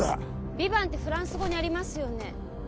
ヴィヴァンってフランス語にありますよね